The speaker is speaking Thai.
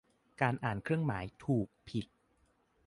การอ่านเครื่องหมาย ถูก ผิด